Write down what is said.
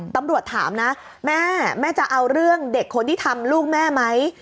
ตำรวจถามนะแม่แม่จะเอาเรื่องเด็กคนที่ทำลูกแม่ไหม